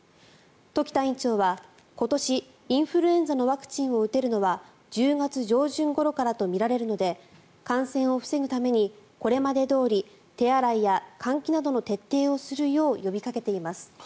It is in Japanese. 時田院長は今年、インフルエンザのワクチンを打てるのは１０月上旬ごろからとみられるので感染を防ぐためにこれまでどおり手洗いや換気などの徹底をするよう呼びかけています。